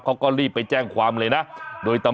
คุณผู้ชมไปดูอีกหนึ่งเรื่องนะคะครับ